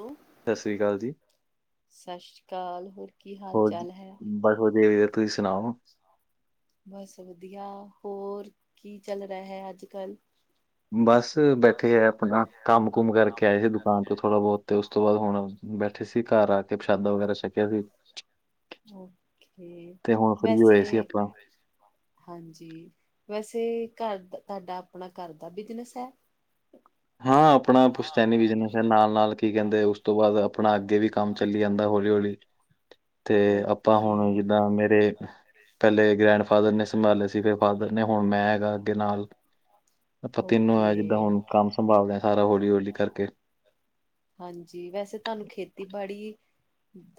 ਹੋ, 'ਸਤਿ ਸ਼੍ਰੀ ਅਕਾਲ ਜੀ। ਸਤਿ ਸ਼੍ਰੀ ਅਕਾਲ, ਹੋਰ, ਕੀ ਹਾਲ ਹੋਰ ਚਾਲ ਹੈ ਬਸ ਵਧੀਆ ਵਧੀਆ ਤੁਸੀਂ ਸੁਣਾਓ? [inaudible] ਬਸ ਵਧੀਆ ਹੋਰ ਕੀ ਚੱਲ ਰਿਹਾ ਅੱਜਕੱਲ। ਬਸ ਬੈਠੇ ਆ, ਆਪਣਾ ਕੰਮ-ਕੁਮ ਕਰਕੇ ਆਏ ਆ ਦੁਕਾਨ ਤੋਂ ਥੋੜ੍ਹਾ ਬਹੁਤ। ਤੇ ਉਸ ਤੋਂ ਬਾਅਦ ਹੁਣ ਬੈਠੇ ਸੀ, ਘਰ ਆ ਕੇ ਪ੍ਰਸ਼ਾਦਾ ਵਗੈਰਾ ਛਕਿਆ ਸੀ। ਓਕੇ, ਤੇ ਹੁਣ ਫ੍ਰੀ ਵੈਸੇ ਹੋਏ ਸੀ ਆਪਾਂ। ਹਾਂਜੀ, ਵੈਸੇ ਘਰ ਦਾ ਤੁਹਾਡਾ ਆਪਣਾ ਘਰ ਦਾ ਬਿਜਨਸ ਐ? ਹਾਂ, ਆਪਣਾ ਪੁਸਤੇਨੀ ਬਿਜਨੈਸ ਐ। ਨਾਲ-ਨਾਲ ਕੀ ਕਹਿੰਦੇ ਉਸ ਤੋਂ ਬਾਅਦ? ਆਪਣਾ ਅੱਗੇ ਵੀ ਕੰਮ ਚੱਲੀ ਜਾਂਦਾ ਹੌਲੀ ਹੌਲੀ। ਤੇ ਆਪਾਂ ਓਕੇ ਹੁਣ ਜਿੱਦਾਂ ਮੇਰੇ ਣੱੱੱੱੱੱਣੱੱੱੱੱੱਣਣ ਅਪਾ, ਤਿੰਨੋ ਓਕੇ ਆ, ਜਿੱਦਾਂ ਹੁਣ ਕੰਮ ਮਂੱ ਸੰਭਾਲਦੇ ਹਾਂ ਸਾਰਾ ਹੌਲੀ - ਹੌਲੀ ਕਰਕੇ। ਹਾਂਜੀ, ਵੈਸੇ ਤੁਹਾਨੂੰ ਖੇਤੀਬਾੜੀ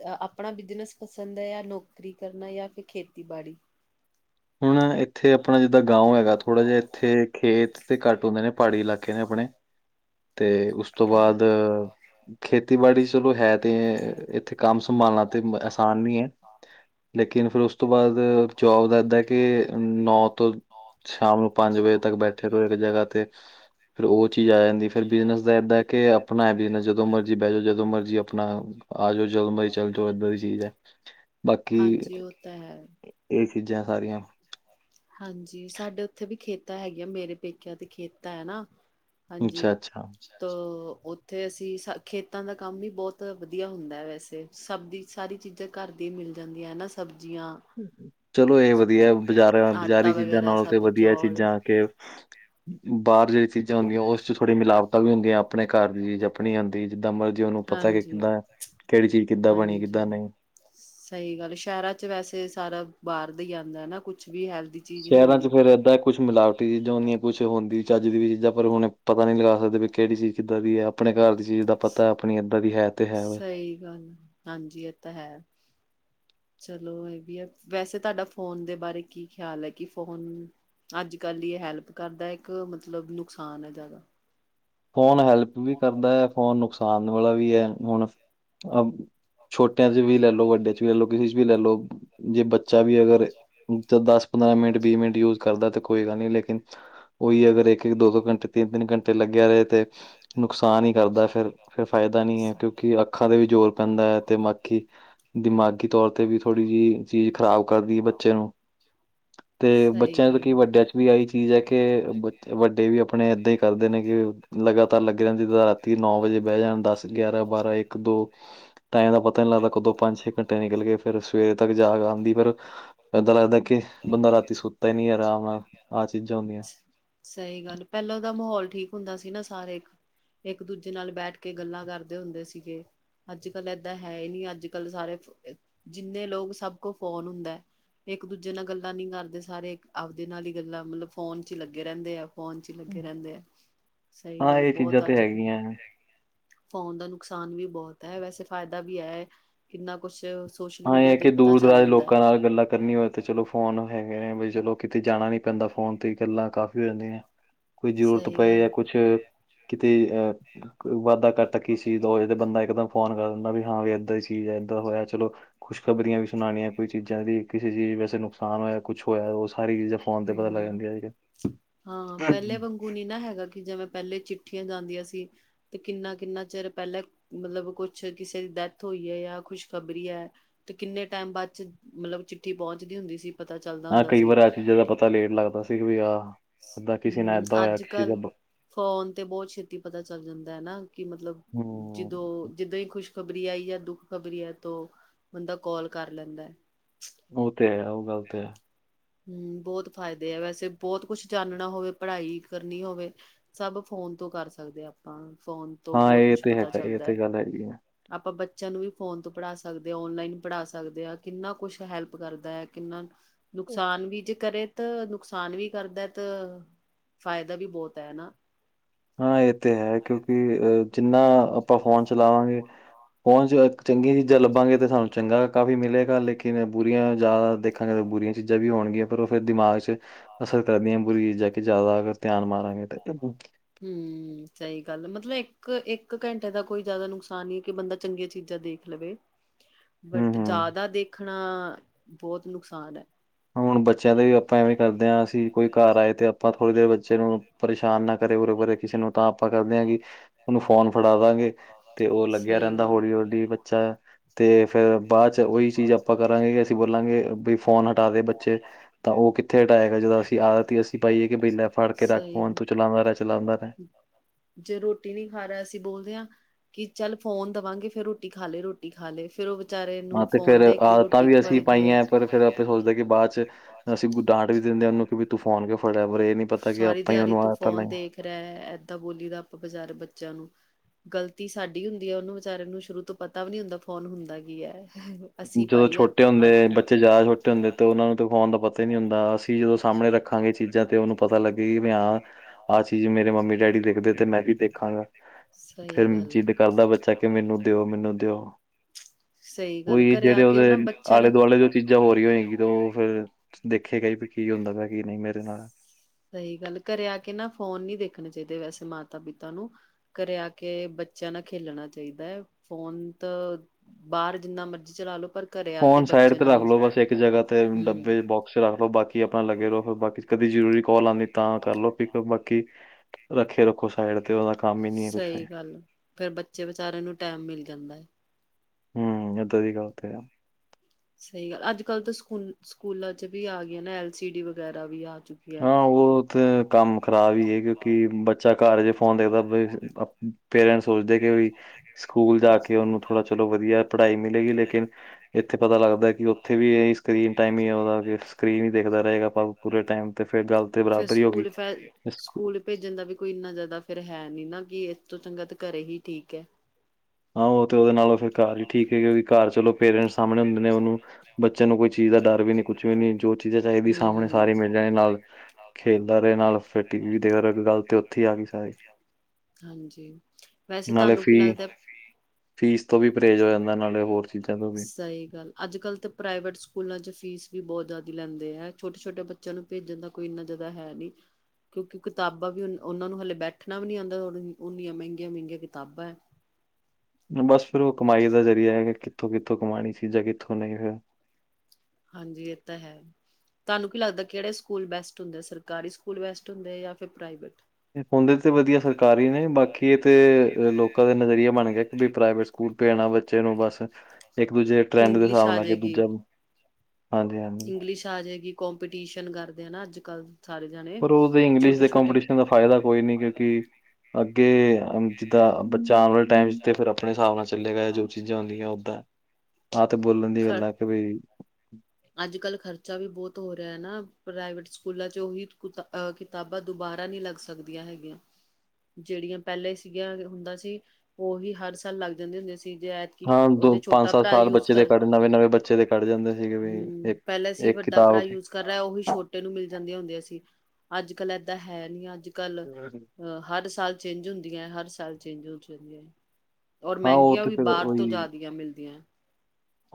ਆਪਣਾ ਬਿਜਨਸ ਪਸੰਦ ਹੈ ਜਾਂ ਨੌਕਰੀ ਕਰਨਾ, ਜਾਂ ਫਿਰ ਖੇਤੀਬਾੜੀ? ਹੁਣ ਇੱਕ ਇੱਥੇ ਆਪਣਾ ਜਿੱਦਾਂ ਗਾਉ ਹੈਗਾ, ਥੋੜ੍ਹਾ ਜਿਹਾ। ਇੱਥੇ ਖੇਤ ਤੇ ਘੱਟ ਹੁੰਦੇ ਨੇ, ਪਹਾੜੀ ਇਲਾਕੇ ਨੇ ਆਪਣੇ। ਤੇ ਉਸ ਤੋਂ ਬਾਅਦ ਖੇਤੀਬਾੜੀ ਚਲੋ ਹੈ, ਤੇ ਇੱਥੇ ਕੰਮ ਸੰਭਾਲਣਾ ਤੇ ਆਸਾਨ ਨੀ ਹੈ। ਲੇਕਿਨ ਫਿਰ ਉਸ ਤੋਂ ਬਾਅਦ ਜੋਬ ਦਾ ਇੱਦਾਂ ਕਿ ਨੌ ਤੋਂ ਸ਼ਾਮ ਨੂੰ ਪੰਜ ਵਜੇ ਤੱਕ ਬੈਠੇ ਰਹੋ ਇੱਕ ਜਗ੍ਹਾ ਤੇ। ਫੇਿਰ ਉਹ ਚੀਜ਼ ਆ ਜਾਂਦੀ ਫੇਿਰ ਫਿਰ ਫਿਰ ਉਹ ਚੀਜ਼ ਆ ਜਾਂਦੀ ਹੈ। ਫਿਰ ਬਿਜਨਸ ਦਾ ਏਦਾਂ ਹੈ ਕਿ ਆਪਣਾ ਹੈ ਬਿਜ਼ਨਸ ਜਦੋਂ ਮਰਜ਼ੀ ਬਹਿ ਜਾਓ ਜਦੋਂ ਮਰਜ਼ੀ ਆਪਣਾ ਆ ਜਾਓ, ਜਦੋ ਮਰਜ਼ੀ ਚਲੇ ਜਾਓ। ਏਦਾਂ ਦੀ ਚੀਜ਼ ਲੈਣ ਬਾਕੀ ਹਾਂਜੀ ਉਹ ਤਾਂ ਹੈ ਇਹ ਚੀਜ਼ਾਂ ਸਾਰੀਆਂ। ਹਾਂਜੀ, ਸਾਡੇ ਉੱਥੇ ਵੀ ਖੇਤ ਤਾਂ ਹੈਗੀਆਂ, ਮੇਰੇ ਪੇਕਿਆਂ ਦੇ ਖੇਤ ਤਾਂ ਹੈ ਨਾ ਅੱਛਾ ਹਾਂਜੀ। ਅੱਛਾ ਤ ਉੱਥੇ ਅਸੀਂ ਖੇਤਾਂ ਦਾ ਕੰਮ ਵੀ ਬਹੁਤ ਵਧੀਆ ਹੁੰਦਾ ਹੈ ਵੈਸੇ। ਸੱਭ ਦੀ ਸਾਰੀ ਚੀਜ਼ਾਂ ਘਰ ਦੀ ਮਿਲ ਜਾਂਦੀਆਂ ਨਾ, ਸਬਜ਼ੀਆਂ। ਚਲੋ ਇਹ ਵਧੀਆ, ਬਜ਼ਾਰਾਂ - ਆਟਾ ਬਜ਼ਾਰੀ ਚੀਜ਼ਾਂ ਵਗੈਰਾ ਨਾਲੋਂ ਤੇ ਸਭ ਵਧੀਆ ਚੌਲ ਚੀਜ਼ਾਂ। ਕੇ ਬਾਹਰ ਜਿਹੜੀ ਚੀਜ਼ਾਂ ਹੁੰਦੀਆਂ, ਉਸ 'ਚ ਥੋੜ੍ਹੀ ਮਿਲਾਵਟ। ਵੀ ਹੁੰਦੀਆਂ ਆਪਣੇ ਘਰ ਦੀ ਚੀਜ਼ ਆਪਣੀ ਆਉਂਦੀ ਜਿੱਦਾਂ ਮਰਜੀ [inaudible] ਕਿ ਉਹਨੂੰ ਪਤਾ ਕਿ ਹਾਂਜੀ ਕਿੱਦਾਂ, ਕਿਹੜੀ ਚੀਜ਼ ਕਿੱਦਾਂ ਬਣੀ, ਕਿੱਦਾਂ ਹਾਂਜੀ ਨਹੀਂ। ਸਹੀ ਗੱਲ ਸ਼ਹਿਰਾਂ 'ਚ ਵੈਸੇ ਸਾਰਾ ਬਾਹਰ ਦਾ ਹੀ ਆਂਦਾ ਨਾ, ਕੁਛ ਵੀ ਹੈਲਦੀ। ਚੀਜ਼ ਨਹੀਂ ਸ਼ਹਿਰਾਂ 'ਚ ਹੁੰਦੀ ਫੇਰ ਏਦਾਂ ਹੈ, ਕੁਛ ਮਿਲਾਵਟ ਚੀਜ਼ਾਂ ਕੁਛ ਹੁੰਦੀ ਚੱਜ ਦੀ ਵੀ ਚੀਜ਼ਾਂ ਪਰ ਹੁਣੇ ਪਤਾ ਨੀ ਲਗਾ ਸਕਦੇ ਵੀ ਕਿਹੜੀ ਸੀ ਕਿੱਦਾਂ ਦੀ ਹੈ ਆਪਣੇ ਘਰ ਦੀ ਚੀਜ਼ ਦਾ ਪਤਾ, ਆਪਣੀ ਏਦਾਂ ਦੀ ਹੈ ਤੇ ਹੈ ਵ। ਸਹੀ ਗੱਲ। ਹਾਂਜੀ, ਇਹ ਤਾਂ ਹੈ। ਚਲੋ ਇਹ ਵੀ ਹੈ। ਵੈਸੇ ਤੁਹਾਡਾ ਫੋਨ ਦੇ ਬਾਰੇ ਕੀ ਖਿਆਲ? ਹੈ ਕਿ ਫੋਨ ਅੱਜ- ਕੱਲ੍ਹ ਹੀ ਇਹ ਹੈਲਪ ਕਰਦਾ, ਇੱਕ ਮਤਲਬ ਨੁਕਸਾਨ ਹੈ ਜ਼ਿਆਦਾ। ਫੋਨ ਹੈਲਪ ਵੀ ਕਰਦਾ ਹੈ, ਫੋਨ ਨੁਕਸਾਨ ਵਾਲਾ ਵੀ ਹੈ ਹੁਣ ਅ ਛੋਟਿਆਂ 'ਚ ਵੀ ਲੈ ਲੋ, ਵੱਡਿਆਂ 'ਚ ਵੀ ਲੈ ਲੋ, ਕਿਸੇ 'ਚ ਵੀ ਲੈ ਲੋ। ਜੇ ਬੱਚਾ ਵੀ ਅਗਰ ਏ ਚੱਲ ਦਸ -ਪੰਦਰਾਂ - ਮਿੰਟ ਵੀਹ ਮਿੰਟ ਯੂਜ਼ ਕਰਦਾ 'ਤੇ ਕੋਈ ਗੱਲ ਨਹੀਂ, ਲੇਕਨ ਉਹੀ ਅਗਰ ਇੱਕ - ਇੱਕ, ਦੋ - ਦੋ ਘੰਟੇ, ਤਿੰਨ - ਤਿੰਨ ਘੰਟੇ ਲੱਗੇ। ਗੈਰੇ ਤੇ ਨੁਕਸਾਨ ਹੀ ਕਰਦਾ। ਫੇਿਰ ਫਿਰ ਫ਼ਾਇਦਾ ਨੀ ਹੈ, ਕਿਉਂਕਿ ਅੱਖਾਂ 'ਤੇ ਵੀ ਜ਼ੋਰ ਪੈਂਦਾ ਹੈ, ਦਿਮਾਗੀ- ਦਿਮਾਗੀ ਤੌਰ' 'ਤੇ ਵੀ ਥੋੜੀ ਜਿਹੀ ਚੀਜ਼ ਖ਼ਰਾਬ ਘਰ ਵੀ ਬੱਚੇ ਹੋਣ। ਤੇ ਸਹੀ ਬੱਚਿਆਂ ਤੋਂ ਗੱਲ ਕੀ, ਵੱਡਿਆਂ 'ਚ ਵੀ ਆਹੀ ਚੀਜ਼ ਹੈ ਕਿ ਵੱਡੇ ਵੀ ਆਪਣੇ ਏਦਾਂ ਹੀ ਕਰਦੇ ਨੇ। ਕਿ ਲਗਾਤਾਰ ਲੱਗੇ ਰਹਿੰਦੇ, ਜਿੱਦਾਂ ਰਾਤੀ ਨੌ ਵਜੇ ਬਹਿ ਜਾਣ, ਦਸ- ਗਿਆਰਾਂ - ਬਾਰਾਂ- ਇੱਕ - ਦੋ। ਟਾਈਮ ਦਾ ਪਤਾ ਨ ਨਹੀਂ ਲੱਗਦਾ, ਕਦੋਂ ਪੰਜ- ਛੇ ਘੰਟੇ ਨਿਕਲ ਗਏ। ਫਿਰ ਸਵੇਰ ਤੱਕ ਜਾਗ ਆਉਂਦੀ ਫਿਰ ਏਦਾਂ ਲੱਗਦਾ ਕਿ ਬੰਦਾ ਰਾਤੀ ਹੀ ਨਹੀ। ਆਰਾਮ ਨਾਲ ਆਹ ਚੀਜ਼ਾਂ ਹੁੰਦੀਆਂ। ਸਹੀ ਗੱਲ ਪਹਿਲਾਂ ਉਹਦਾ ਮਾਹੌਲ ਠੀਕ ਹੁੰਦਾ ਸੀ ਨਾ ਸਾਰੇ ਇੱਕ ਇੱਕ ਦੂਜੇ ਨਾਲ ਬੈਠ ਕੇ ਗੱਲਾਂ ਕਰਦੇ ਹੁੰਦੇ ਸੀਗੇ ਅੱਜ ਕੱਲ ਹੈ ਨੀ ਅੱਜ ਕੱਲ ਸਾਰੇ ਜਿੰਨੇ ਲੋਕ ਸਭ ਕੁ ਫੋਨ ਹੁੰਦਾ ਇੱਕ ਦੂਜੇ ਨਾਲ ਗੱਲਾਂ ਨੀ ਕਰਦੇ ਸਾਰੇ ਆਪਦੇ ਨਾਲ ਹੀ ਗੱਲਾਂ ਮਤਲਬ ਫੋਨ ਚ ਹੀ ਲੱਗੇ ਰਹਿੰਦੇ ਆ ਫੋਨ ਚ ਹੀ ਲੱਗੇ ਰਹਿੰਦੇ ਆ ਸਹੀ ਹਾਂ ਗੱਲ ਇਹ ਚੀਜ਼ਾਂ ਬਹੁਤ ਤੇ ਅੱਜ ਹੈਗੀਆਂ ਹੈ। ਫੋਨ ਦਾ ਨੁਕਸਾਨ ਵੀ ਬਹੁਤ ਹੈ ਵੈਸੇ ਫਾਇਦਾ ਵੀ ਹੈ ਕਿੰਨਾ ਕੁਛ ਸੋਸ਼ਲ ਹਾਂ ਇਹ ਮੀਡੀਆ ਹੈ ਤੋਂ ਕਿ ਹੀ ਪਤਾ ਦੂਰ ਚੱਲ ਦਰਾਜ ਜਾਂਦਾ ਹੈ ਲੋਕਾਂ ਨਾਲ ਗੱਲਾਂ ਕਰਨੀ ਹੋਵੇ ਤੇ ਚਲੋ ਫੋਨ ਹੈਗੇ ਨੇ ਵੀ ਚਲੋ ਕਿਤੇ ਜਾਣਾ ਨੀ ਪੈਂਦਾ ਫੋਨ ਤੇ ਗੱਲਾਂ ਕਾਫ਼ੀ ਹੋ ਜਾਂਦੀਆਂ ਕੋਈ ਜ਼ਰੂਰਤ ਸਹੀ ਪਏ ਗੱਲ ਜਾਂ ਕੁਛ ਕਿਤੇ ਅਹ ਵਾਧਾ ਕੱਟ ਕੀ ਸੀ ਦੌਜ ਤੇ ਬੰਦਾ ਇੱਕਦਮ ਫੋਨ ਕਰ ਦਾ ਵੀ ਹਾਂ ਵੀ ਇੱਦਾਂ ਦੀ ਚੀਜ਼ ਹੈ, ਇੱਦਾਂ ਹੋਇਆ, ਚਲੋ ਖੁਸ਼ਖਬਰੀ ਵੀ ਸੁਣਾਉਣੀਆਂ ਕੋਈ ਚੀਜ਼ਾਂ ਦੀ। ਕਿਸੀ ਚੀਜ਼ ਵੈਸੇ ਨੁਕਸਾਨ ਹੋਇਆ ਕੁਛ ਹੋਇਆ ਉਹ ਸਾਰੀ ਚੀਜ਼ਾਂ ਫੋਨ ਤੇ ਪਤਾ ਲੱਗ ਜਾਂਦੀਆਂ ਅੱਜ ਹੂੰ-ਹਾਂ ਪਹਿਲੇ ਕੱਲ੍ਹ। ਵਾਗੂ ਗੁਣ ਨੀ ਨਾ ਹੈਗਾ ਕਿ ਜਿਵੇਂ ਪਹਿਲੇ ਚਿੱਠੀਆਂ ਜਾਂਦੀਆਂ ਸੀ। ਤੇ ਕਿੰਨਾ-ਕਿੰਨਾ ਚਿਰ ਪਹਿਲਾਂ ਮਤਲਬ ਕੁਛ ਕਿਸੇ ਦੀ ਡੈਥ ਹੋਈ ਹੈ ਜਾਂ ਖੁਸ਼ਖਬਰੀ ਹੈ। ਤੇ ਕਿੰਨੇ ਟਾਈਮ ਬਾਅਦ ਚ ਮਤਲਬ ਚਿੱਠੀ ਪਹੁੰਚਦੀ ਹੁੰਦੀ ਸੀ, ਪਤਾ ਚੱਲਦਾ ਹੁੰਦਾ ਸੀ। ਜਦੋਂ ਪਤਾ ਲੇਟ ਲੱਗਦਾ ਸੀ ਵੀ ਆਹ, ਏਦਾਂ ਕਿਸੇ ਹੂੰ, ਨਾਲ ਏਦਾਂ ਹੋਇਆ ਕਿਸੇ ਅੱਜ-ਕੱਲ ਦਾ ਫੋਨ ਤੇ ਬਹੁਤ ਛੇਤੀ ਪਤਾ ਚੱਲ ਜਾਂਦਾ ਹੈ ਨਾ ਕਿ ਮਤਲਬ ਜਦੋਂ ਹੂੰ ਜਦੋਂ ਹੀ ਖੁਸ਼ ਖ਼ਬਰੀ ਆਈ ਜਾਂ ਦੁੱਖ ਖ਼ਬਰੀ ਹੈ ਤੋ ਬੰਦਾ ਕਾਲ ਕਰ ਲੈਂਦਾ ਹੈ। ਉਹ ਤੇ ਹੈ ਉਹ ਗੱਲ ਤੇ ਹੈ। ਹੂੰ, ਬਹੁਤ ਫ਼ਾਇਦੇ ਆ ਵੈਸੇ ਬਹੁਤ ਕੁਛ ਜਾਣਨਾ ਹੋਵੇ ਪੜ੍ਹਾਈ ਕਰਨੀ ਹੋਵੇ। ਸਭ ਫੋਨ ਤੋਂ ਕਰ ਸਕਦੇ ਆਪਾਂ ਫੋਨ ਤੋਂ ਹਾਂ ਬਹੁਤ ਇਹ ਕੁਛ ਤੇ ਪਤਾ ਹੈਗਾ ਇਹ ਚੱਲਦਾ ਤੇ ਹੈ। ਗੱਲ ਹੈਗੀ ਹੈ ਆਪਾਂ ਬੱਚਿਆਂ ਨੂੰ ਵੀ ਫੋਨ ਤੋਂ ਪੜ੍ਹਾ ਸਕਦੇ ਹਾਂ, ਔਨਲਾਈਨ ਪੜ੍ਹਾ ਸਕਦੇ ਹਾਂ, ਕਿੰਨਾ ਕੁਛ ਹੈਲਪ ਕਰਦਾ ਹੈ ਕਿੰਨਾ ਨੁਕਸਾਨ ਵੀ ਜੇ ਕਰੇ ਤਾਂ ਨੁਕਸਾਨ ਵੀ ਕਰਦਾ ਤਾਂ ਫਾਇਦਾ ਵੀ ਬਹੁਤ ਹੈਨਾ। ਹਾਂ ਇਹ ਤੇ ਹੈ ਕਿਉਂਕਿ ਅ ਜਿੰਨਾ ਆਪਾਂ ਫੋਨ ਚਲਾਵਾਂਗੇ ਫੋਨ ਚ ਚੰਗੀਆਂ ਚੀਜ਼ਾਂ ਲੱਭਾਂਗੇ ਤਾਂ ਸਾਨੂੰ ਚੰਗਾ ਕਾਫੀ ਮਿਲੇਗਾ ਲੇਕਿਨ ਜਿਵੇਂ ਬੁਰੀਆਂ ਜ਼ਿਆਦਾ ਦੇਖਾਂਗੇ ਤਾਂ ਬੁਰੀਆਂ ਚੀਜ਼ਾਂ ਵੀ ਹੋਣਗੀਆਂ ਪਰ ਉਹ ਫਿਰ ਦਿਮਾਗ ਅਸਰ ਕਰਦੀਆਂ। ਬੁਰੀ ਚੀਜ਼ਾਂ ਤੇ ਜਿਆਦਾ ਅਗਰ ਧਿਆਨ ਮਾਰਾਂਗੇ ਤੇ। ਹੂੰ। ਸਹੀ ਗੱਲ ਮਤਲਬ ਇੱਕ-ਇੱਕ ਘੰਟੇ ਦਾ ਕੋਈ ਜ਼ਿਆਦਾ ਨੁਕਸਾਨ ਨੀ ਹੈ ਕਿ ਬੰਦਾ ਚੰਗੀਆਂ ਚੀਜ਼ਾਂ ਦੇਖ ਲਵੇ। [inaudible] ਬਟ ਹੂੰ ਜ਼ਿਆਦਾ ਦੇਖਣਾ ਬਹੁਤ ਨੁਕਸਾਨ ਹੈ। ਹੁਣ ਬੱਚਿਆਂ ਦਾ ਵੀ ਆਪਾਂ ਐਵੇਂ ਕਰਦੇ ਹਾਂ ਅਸੀਂ ਕੋਈ ਘਰ ਆਏ ਤੇ ਆਪਾਂ ਥੋੜ੍ਹੀ ਦੇਰ ਬੱਚੇ ਨੂੰ ਪਰੇਸ਼ਾਨ ਨਾ ਕਰੇ ਉਰੇ ਬਰੇ ਕਿਸੇ ਨੂੰ ਤਾਂ ਆਪਾਂ ਕਰਦੇ ਹਾਂ ਕਿ ਉਹਨੂੰ ਫੋਨ ਫੜਾ ਦਾਂਗੇ। ਤੇ ਉਹ ਲੱਗਿਆ ਸਹੀ ਰਹਿੰਦਾ ਗੱਲ ਹੌਲੀ-ਹੌਲੀ ਬੱਚਾ। ਤੇ ਫੇਿਰ ਬਾਅਦ ਚ ਉਹੀ ਚੀਜ਼ ਆਪਾਂ ਕਰਾਂਗੇ ਕਿ ਅਸੀਂ ਬੋਲਾਂਗੇ ਬ ਫੋਨ ਹਟਾ ਦੇ ਬੱਚੇ। ਤਾਂ ਉਹ ਕਿੱਥੇ ਹਟਾਏਗਾ ਜਦੋਂ ਅਸੀਂ ਆਦਤ ਅਸੀਂ ਪਾਈਏ ਕਿ ਬਈ ਲੈ ਫੜ ਕੇ ਰੱਖ ਸਹੀ ਫੋਨ ਗੱਲ ਤੂੰ ਚਲਾਉਦਾ ਰਹਾ ਚਲਾਉਂਦਾ ਰਹ। ਜੇ ਰੋਟੀ ਨਹੀਂ ਖਾ ਰਿਹਾ ਅਸੀਂ ਬੋਲਦੇ ਹਾਂ ਕਿ ਚੱਲ ਫੋਨ ਦਵਾਂਗੇ ਫੇਰ ਰੋਟੀ ਖਾ ਲਏ- ਰੋਟੀ ਖਾ ਲੈ ਫੇਿਰ ਉਹ ਵਿਚਾਰੇ ਨੂੰ ਹਾਂ ਤੇ ਫਿਰ ਫੋਨ ਦੇ ਕੀ ਰੋਟੀ ਖਵਾਈ ਦੀ ਹੈ। ਲੇਕਿਨ ਬਾਅਦ ਚ ਹੁੰਦਾ ਕਿ ਅਸੀਂ ਆਗੂ ਡਾਟ ਵੀ ਦਿੰਦੇ ਹ ਉਹਨੂੰ ਕਿ ਤੂੰ ਫੋਨ ਕੇ ਫੜਿਆ ਪਰ ਇਹ ਨੀ ਪਤਾ ਕਿ ਆਪਾਂ ਉਹਨੂੰ ਆਦਤਾਂ ਲਾਈਆ ਫਿਰ ਏਦਾਂ ਬੋਲੀ ਦਾ ਆਪਾਂ ਵਿਚਾਰੇ ਬੱਚਿਆਂ ਨੂੰ। ਗਲਤੀ ਸਾਡੀ ਹੁੰਦੀ ਹੈ ਉਹਨੂੰ ਵਿਚਾਰੇਿਆਂ ਨੂੰ ਸ਼ੁਰੂ ਤੋਂ ਪਤਾ ਵੀ ਨੀ ਹੁੰਦਾ ਫੋਨ ਹੁੰਦਾ ਕੀ ਹੈ? ਅਸੀਂ ਜਦੋਂ ਪਾਈ ਆ ਛੋਟੇ ਆਦਤਾਂ ਹੁੰਦੇ ਬੱਚੇ ਜ਼ਿਆਦਾ ਛੋਟੇ ਹੁੰਦੇ ਅਤੇ ਉਹਨਾਂ ਨੂੰ ਤਾਂ ਫੋਨ ਦਾ ਪਤਾ ਹੀ ਨਹੀਂ ਹੁੰਦਾ, ਅਸੀਂ ਜਦੋਂ ਸਾਹਮਣੇ ਰੱਖਾਂਗੇ ਚੀਜ਼ਾਂ ਤਾਂ ਉਹਨੂੰ ਪਤਾ ਲੱਗੇ ਕਿ ਵੀ ਹਾਂ ਆਹ ਚੀਜ਼ ਮੇਰੇ ਮੰਮੀ-ਡੈਡੀ ਦੇਖਦੇ ਤੇ ਮੈਂ ਵੀ ਦੇਖਾਂਗਾ। ਫੇਰ ਸਹੀ ਗੱਲ ਆ ਜਿੱਦ ਕਰਦਾ ਬੱਚਾ ਕਿ ਮੈਨੂੰ ਦਿਓ-ਮੈਨੂੰ ਦਿਓ। ਸਹੀ ਗੱਲ ਉਹੀ ਘਰੇ ਆ ਜਿਹੜੇ ਕੇ ਉਹਦੇ ਉਹ ਨਾ ਬੱਚਿਆਂ ਨਾਲ ਆਲੇ-ਦੁਆਲੇ ਦੇ ਚੀਜ਼ਾਂ ਹੋ ਰਹੀ ਹੋਏਗੀ ਤੇ ਉਹ ਫਿਰ ਦੇਖੇਗਾ ਵੀ ਕੀ ਹੁੰਦਾ ਪਿਆ ਕੀ ਮੇਰੇ ਨਾਲ ਸਹੀ ਗੱਲ ਐ, ਘਰੇ ਆ ਕੇ ਨਾ ਫੋਨ ਨਹੀਂ ਦੇਖਣੇ ਚਾਹੀਦੇ ਵੈਸੇ ਮਾਤਾ-ਪਿਤਾ ਨੂੰ। ਘਰੇ ਆ ਕੇ ਬੱਚਿਆਂ ਨਾਲ ਖੇਲਣਾ ਚਾਹੀਦਾ ਹੈ ਫੋਨ ਤਾਂ ਬਾਹਰ ਜਿੰਨਾ ਮਰਜ਼ੀ ਚਲਾ ਲੋ ਪਰ ਘਰੇ ਆ ਕੇ ਫੋਨ ਸਾਈਡ ਬੱਚੇ ਤੇ ਨਾਲ ਰੱਖ ਹੂੰ ਲੋ ਬਸ ਇੱਕ ਜਗ੍ਹਾ ਤੇ ਡੱਬੇ ਬੋਕ ਰੱਖ ਲੋ ਬਾਕੀ ਆਪਣਾ ਲੱਗੇ ਰਹੋ ਫਿਰ ਬਾਕੀ ਕਦੇ ਜਰੂਰੀ ਕਾਲ ਆਉਂਦੀ ਤਾਂ ਕਰਲੋ ਇਕ ਬਾਕੀ ਰੱਖੇ ਰੱਖੋ। ਸਾਈਡ ਰੱਖੇ ਤੇ ਉਹਦਾ ਰੱਖੋ ਫੋਨ, ਕੰਮ ਹੀ ਨਹੀਂ ਹੈ ਕੁਛ ਸਹੀ ਵੀ ਗੱਲ ਫੇਰ ਬੱਚੇ ਵਿਚਾਰਿਆਂ ਨੂੰ ਟੈਮ ਮਿਲ ਜਾਂਦਾ ਹੈ। ਹਮ, ਤੁਸੀ ਗਲਤ ਹੈ ਸਹੀ ਗੱਲ, ਅੱਜ ਕੱਲ ਤਾਂ ਸਕੂ ਸਕੂਲਾਂ ਚ ਵੀ ਆ ਗਈ ਨਾ ਐਲ ਸੀ ਡੀ ਵਗੈਰਾ ਵੀ ਆ ਚੁੱਕੀ ਹੈ ਹਾਂ ਉਹ ਤੇ ਕੰਮ ਖ਼ਰਾਬ ਹੀ ਹੈ ਕਿਉਂਕਿ ਬੱਚਾ ਘਰ ਜੇ ਫੋਨ ਦੇਖਦਾ ਪੇਰੈਂਟਸ ਸੋਚਦੇ ਕਿ ਵੀ, ਸਕੂਲ ਜਾ ਕੇ ਉਹਨੂੰ ਥੋੜ੍ਹਾ ਚਲੋ ਵਧੀਆ ਪੜ੍ਹਾਈ ਮਿਲੇਗੀ ਲੇਕਿਨ ਇੱਥੇ ਪਤਾ ਲੱਗਦਾ ਕਿ ਉੱਥੇ ਵੀ ਇਹ ਸਕਰੀਨ ਟਾਈਮ ਹੀ ਉਹਦਾ, ਸਕਰੀਨ ਹੀ ਦੇਖਦਾ ਰਹੇਗਾ ਆਪ ਪੂਰੇ ਟਾਈਮ ਤੇ ਫਿਰ ਗੱਲ ਤੇ ਫੇਰ ਬਰਾਬਰ ਹੀ ਹੋ ਗਈ ਸਕੂਲ ਫੇਰ ਸਕੂਲ ਭੇਜਣ ਦਾ ਵੀ ਕੋਈ ਇੰਨਾ ਜ਼ਿਆਦਾ ਫਿਰ ਹੈ ਨੀ ਨਾ ਕਿ ਇਸ ਤੋਂ ਚੰਗਾ ਤਾਂ ਘਰੇ ਹੀ ਠੀਕ ਹੈ। ਹਾਂ ਉਹ ਤੇ ਉਹਦੇ ਨਾਲੋਂ ਫਿਰ ਘਰ ਹੀ ਠੀਕ ਹੈ ਕਿਉਂਕਿ ਘਰ ਚਲੋ ਪੇਰੈਂਟਸ ਸਾਹਮਣੇ ਹੁੰਦੇ ਨੇ ਉਹਨੂੰ ਬੱਚੇ ਨੂੰ ਕੋਈ ਚੀਜ਼ ਦਾ ਡਰ ਵੀ ਨਹੀਂ ਕੁਛ ਵੀ ਨਹੀ, ਜੋ ਚੀਜ਼ਾਂ ਚਾਹੀਦੀ ਕੋਈ ਸਾਹਮਣੇ ਚੀਜ਼ ਸਾਰੇ ਮਿਲ ਜਾਣੇ ਨਾਲ ਖੇਲਦਾ ਰਿਹਾ ਨਾਲ ਫਿਰ ਟੀ ਵੀ ਦੇਖ ਰਹੇ ਗੱਲ ਤੇ ਉੱਥੇ ਆ ਗਈ ਸਾਰੀ ਹਾਂਜੀ, ਵੈਸੇ ਨਾਲੇ ਤੁਹਾਨੂੰ ਕੀ ਫੀ ਲੱਗਦਾ ਫੀਸ ਤੋਂ ਵੀ ਪਰਹੇਜ਼ ਹੋ ਜਾਂਦਾ ਨਾਲੇ ਹੋਰ ਚੀਜ਼ਾਂ ਤੋਂ ਵੀ ਸਹੀ ਗੱਲ ਅੱਜ ਕੱਲ੍ਹ ਤਾਂ ਪ੍ਰਾਈਵੇਟ ਸਕੂਲਾਂ 'ਚ ਫੀਸ ਵੀ ਬਹੁਤ ਜ਼ਿਆਦਾ ਲੈਂਦੇ ਹੈ ਛੋਟੇ -ਛੋਟੇ ਬੱਚਿਆਂ ਨੂੰ ਭੇਜਣ ਦਾ ਕੋਈ ਇੰਨਾ ਜ਼ਿਆਦਾ ਹੈ ਨਹੀਂ ਕਿਉਂਕਿ ਕਿਤਾਬਾਂ ਵੀ ਉਹਨਾਂ ਨੂੰ ਹਲੇ ਬੈਠਣਾ ਵੀ ਨਹੀਂ ਆਉਂਦਾ, ਓਨੀਆਂ ਮਹਿੰਗੀਆਂ- ਮਹਿੰਗੀਆਂ ਕਿਤਾਬਾਂ ਹੈ ਬਸ ਫਿਰ ਉਹ ਕਮਾਈ ਦਾ ਜ਼ਰੀਆ ਹੈ ਕਿ ਕਿੱਥੋਂ- ਕਿੱਥੋਂ ਕਮਾਉਣੀ ਚੀਜ਼ਾਂ ਕਿੱਥੋਂ ਨਹੀਂ ਫਿਰ ਹਾਂਜੀ ਇਹ ਤਾਂ ਹੈ ਤੁਹਾਨੂੰ ਕੀ ਲੱਗਦਾ ਕਿਹੜੇ ਸਕੂਲ ਬੈਸਟ ਹੁੰਦੇ ਸਰਕਾਰੀ ਸਕੂਲ ਬੈਸਟ ਹੁੰਦੇ ਜਾਂ ਪ੍ਰਾਈਵੇਟ ਹੁੰਦੇ ਤੇ ਵਧੀਆ ਸਰਕਾਰੀ ਨੇ ਬਾਕੀ ਇਹ ਤੇ ਲੋਕਾਂ ਦਾ ਨਜ਼ਰੀਆ ਬਣ ਗਿਆ ਕਿ ਬ ਪ੍ਰਾਈਵੇਟ ਸਕੂਲ ਪੈਣਾ ਬੱਚੇ ਨੂੰ ਬਸ, ਇੱਕ ਦੂਜੇ ਦੇ ਟਰੈਂਡ ਦੇ ਇੰਗਲਿਸ਼ ਹਿਸਾਬ ਆ ਨਾਲ ਕੇ ਜਾਏਗੀ। ਦੂਜਾ ਹਾਂਜੀ ਹਾਂਜੀ ਇੰਗਲਿਸ਼ ਆ ਜਾਏਗੀ, ਕੋਂਪੀਟੀਸ਼ਨ ਕਰਦੇ ਆ ਨਾ ਅੱਜ -ਕੱਲ ਪਰ ਉਹਦੇ ਇੰਗਲਿਸ਼ ਦੇ ਕੰਪੀਟੀਸ਼ਨ ਦਾ ਫਾਇਦਾ ਕੋਈ ਨੀ ਕਿਉਂਕਿ ਅੱਗੇ ਅ ਜਿੱਦਾਂ ਬੱਚਾ ਆਉਣ ਵਾਲੇ ਟਾਈਮ ' ਫਿਰ ਆਪਣੇ ਹਿਸਾਬ ਨਾਲ ਚੱਲੇਗਾ ਜੋ ਚੀਜ਼ਾਂ ਹੁੰਦੀਆਂ ਉੱਦਾਂ ਆ ਤੇ ਬੋਲਣ ਦੀਆ ਖ ਗੱਲਾਂ ਕਿ ਬਈ ਅੱਜ ਕੱਲ੍ਹ ਖਰਚਾ ਵੀ ਬਹੁਤ ਹੋ ਰਿਹਾ ਨਾ, ਪ੍ਰਾਈਵੇਟ ਸਕੂਲਾਂ ਚ ਉਹੀ ਕੁ ਕਿਤਾਬਾਂ ਦੁਬਾਰਾ ਨਹੀਂ ਲੱਗ ਸਕਦੀਆਂ ਹੈਗੀਆਂ ਜਿਹੜੀਆਂ ਪਹਿਲਾਂ ਸੀਗੀਆਂ ਹੁੰਦਾ ਸੀ ਉਹੀ ਹਰ ਸਾਲ ਲੱਗ ਜਾਂਦੀਆ ਹੁੰਦੀਆਂ ਸੀ ਜ ਹਾਂ ਦੋ, ਪੰਜ, ਸੱਤ ਸਾਲ ਬੱਚੇ ਦੇ ਕੱਢ ਨਵੇਂ-ਨਵੇਂ ਬੱਚੇ ਦੇ ਕੱਢ ਜਾਂਦੇ ਸੀਗੇ ਵੀ ਹਮ, ਇੱਕ ਪਹਿਲਾਂ ਸੀ ਇੱਕ ਵੱਡਾ ਭਰਾ ਕਿਤਾਬ ਯੂਜ ਕਰ ਰਿਹਾ ਉਹੀ ਛੋਟੇ ਨੂੰ ਮਿਲ ਜਾਂਦੀਆਂ ਹੁੰਦੀਆਂ ਸੀ ਅੱਜ ਕੱਲ੍ਹ ਏਦਾਂ ਹੈ ਨੀ ਅੱਜ ਕੱਲ੍ਹ ਹਰ ਸਾਲ ਚੇਂਜ ਹੁੰਦੀਆਂ ਹੈ, ਹਰ ਸਾਲ ਚੇਂਜ ਹੋ ਜਾਂਦੀਆਂ ਹੈ ਔਰ ਹਾਂ ਉਹ ਮਹਿੰਗੀਆਂ ਤੇ ਵੀ ਫਿਰ ਬਾਹਰ ਤੋਂ ਉਹੀ ਜ਼ਿਆਦੀਆਂ ਮਿਲਦੀਆਂ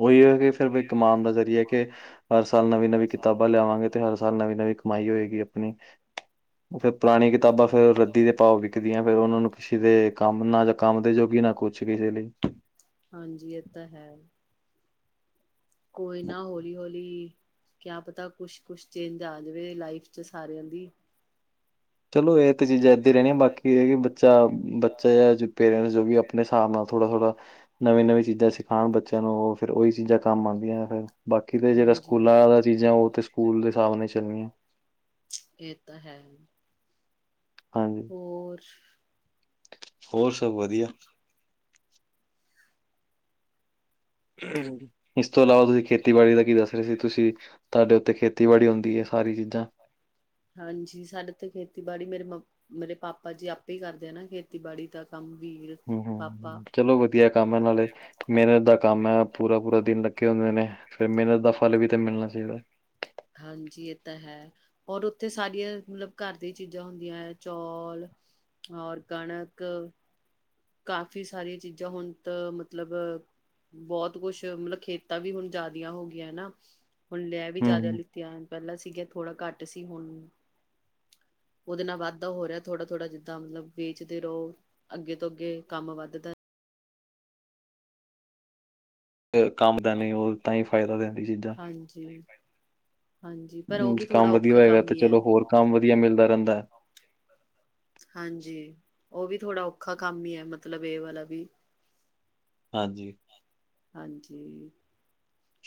ਉਹੀ ਹੈ ਕਿ ਫਿਰ ਵੀ ਕਮਾਉਣ ਦਾ ਜ਼ਰੀਆ ਕਿ ਹਰ ਸਾਲ ਨਵੀਂ- ਨਵੀਂ ਕਿਤਾਬਾਂ ਲਿਆਵਾਂਗੇ ਤੇ ਹਰ ਸਾਲ ਨਵੀਂ- ਨਵੀਂ ਕਮਾਈ ਹੋਏਗੀ ਆਪਣੀ ਉਹ ਫਿਰ ਪੁਰਾਣੀ ਕਿਤਾਬਾਂ ਫੇਰ ਰੱਦੀ ਦੇ ਭਾਵ ਵਿਕਦੀਆਂ, ਫਿਰ ਉਹਨਾ ਨੂੰ ਕਿਸੇ ਦੇ ਕੰਮ ਨਾ ਜਾਂ ਕੰਮ ਦੇ ਜੋਗੀ ਨਾ ਕੁਛ ਕਿਸੇ ਲਈ ਹਾਂਜੀ ਇਹ ਤਾਂ ਹੈ ਕੋਈ ਨਾ ਹੋਲੀ- ਹੋਲੀ ਕਿਆ ਪਤਾ ਕੁਛ- ਕੁਛ ਚੇਂਜ ਆ ਜਾਵੇ ਲਾਈਫ ਚ ਸਾਰਿਆਂ ਦੀ ਚਲੋ ਇਹ ਚੀਜ਼ਾਂ ਏਦਾਂ ਰਹਿਣੀਆਂ, ਬਾਕੀ ਇਹ ਕਿ ਬੱਚਾ, ਬੱਚਾ ਜਾਂ ਪੇਰੈਂਟਸ ਜੋ ਵੀ ਆਪਣੇ ਹਿਸਾਬ ਨਾਲ ਥੋੜਾ- ਥੋੜਾ ਨਵੀ- ਨਵੀ ਚੀਜ਼ਾਂ ਸਿਖਾਉਣ ਬੱਚਿਆਂ ਨੂੰ ਉਹ ਫਿਰ ਉਹੀ ਚੀਜ਼ਾਂ ਕੰਮ ਆਉਂਦੀਆਂ ਫਿਰ ਬਾਕੀ ਤੇ ਜਿਹੜਾ ਹਾਂਜੀ ਸਕੂਲਾਂ ਦਾ ਚੀਜ਼ਾਂ ਉਹ ਤੇ ਸਕੂਲ ਦੇ ਹਿਸਾਬ ਨਾਲ ਚੱਲਣੀਆਂ ਏ ਤਾ ਹੈ। ਹਾਂਜੀ ਹੋਰ ਹੋਰ ਸਬ ਵਦੀਆ। [inaudible] ਇਸ ਤੋਂ ਇਲਾਵਾ ਤੁਸੀਂ ਖੇਤੀਬਾੜੀ ਦਾ ਕੀ ਦੱਸ ਰਹੇ ਸੀ ਤੁਸੀਂ ਤੁਹਾਡੇ ਉੱਤੇ ਖੇਤੀਬਾੜੀ ਹੁੰਂਦੀ ਹੈ ਸਾਰੀ ਚੀਜ਼ਾਂ ਹਾਂਜੀ, ਸਾਡੇ ਤੇ ਖੇਤੀਬਾੜੀ ਮੇਰੇ ਮ ਮੇਰੇ ਪਾਪਾ ਜੀ ਆਪੇ ਈ ਕਾਰਦੇ ਆ ਨਾ, ਖੇਤੀਬਾੜੀ ਦਾ ਕਾੰਮ ਵੀ। ਹੂ,,, ਚਲੋ ਵਦੀਆ ਕਾੰਮ ਐ ਨਾਲੇ ਮੇਨਤ ਦਾ ਕਾੰਮ ਐ, ਪੂਰਾ-ਪੂਰਾ ਦਿਨ ਲੱਗੇ ਹੋਂਦੇ ਨੇ, ਫੇਰ ਮੇਨਤ ਦਾ ਫਲ ਵੀ ਤਾਂ ਮਿਲਨਾ ਚਾਈਦੈ। ਹਾਂਜੀ, ਏ ਤਾਂ ਹੈ। ਹੋਰ ਓਥੇ ਸਾਰੀਆਂ, ਮਤਲਬ ਘਾਰ ਦੀਆਂ ਚੀਜਾ ਹੁੰਦੀਆਂ ਨੇ ਚੌਲ ਹੋਰ ਕਣਕ ਕਾਫ਼ੀ ਸਾਰੀਆਂ ਚੀਜ਼ਾਂ ਹੁਣ ਤਾਂ ਮਤਲਬ ਬੌਤ ਕੋਸ਼ ਮਲਬ ਖੇਤਾਂ ਵੀ ਹੁਨ ਜਾਦੀਆਂ ਹੋ ਗੀਆਂ ਨਾ, ਹੁਣ ਲੈ ਵੀ ਹਮ ਜਾਦਾ ਹਮ। ਲਿੱਤੀਆਂ। ਪਹਿਲਾਂ ਸੀਗਾ ਥੋੜਾ ਘੱਟ ਸੀ ਹੁਣ ਉਹਦੇ ਨਾਲ ਵੱਧਦਾ ਹੋ ਰਿਹਾ ਥੋੜਾ ਥੋੜਾ ਜਿੱਦਾਂ ਮਤਲਬ ਵੇਚਦੇ ਰਹੋ ਅੱਗੇ ਅੱਗੇ ਕਾੰਮ ਵਾਦਦਾ। ਕਾੰਮ ਦਾ ਨੀ ਓਲ ਤਾਂ ਈ ਫਾਏਦਾ ਦੇਂਦੀ ਚੀਜਾ। ਹਾਂਜੀ ਹਾਂਜੀ ਪਰ ਉਹ ਹੂ ਵੀ ਥੋੜ੍ਹਾ ਕੰਮ ਵਧੀਆ ਔਖਾ ਹੋਏਗਾ ਕੰਮ ਤੇ ਹੀ ਹੈ ਚਲੋ ਹੋਰ ਕੰਮ ਵਧੀਆ ਮਿਲਦਾ ਰਹਿੰਦਾ ਹਾਂਜੀ, ਓ ਵੀ ਥੋੜਾ ਓਖਾ ਕਾੰਮ ਈ ਐ ਮਤਲਬ ਏ ਵਾਲਾ ਵੀ। ਹਾਂਜੀ ਹਾਂਜੀ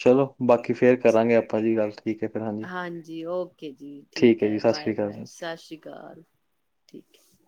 ਚਲੋ ਬਾਕੀ ਫੇਰ ਕਰਾਂਗੇ ਆਪਾਂ ਜੀ ਗੱਲ ਠੀਕ ਹੈ ਫਿਰ ਹਾਂਜੀ, ਓਕੇ ਜੀ। ਠੀਕ ਹੈ ਐ, ਜੀ ਸਤਿ ਸ਼੍ਰੀ ਅਕਾਲ ਜੀ ਬਾਏ-ਬਾਏ ਸਾਸੀ ਕਾਲ ਠੀਕ ਐ।